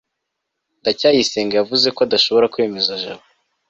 ndacyayisenga yavuze ko adashobora kwemeza jabo